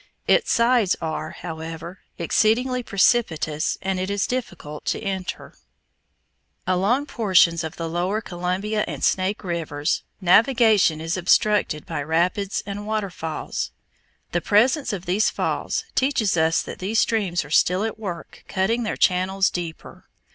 Its sides are, however, exceedingly precipitous and it is difficult to enter. [Illustration: FIG. 10. SHOSHONE FALLS, SNAKE RIVER, IDAHO] Along portions of the lower Columbia and Snake rivers, navigation is obstructed by rapids and waterfalls. The presence of these falls teaches us that these streams are still at work cutting their channels deeper.